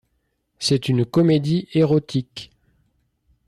C'est une comédie érotique.